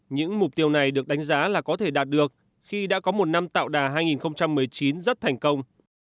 những mục tiêu này được đánh giá là có thể đạt được khi đã có một năm tạo đà hai nghìn một mươi chín rất thành công